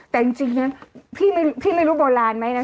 แต่จริงนะพี่ไม่รู้โบราณไหมนะ